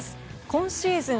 今シーズン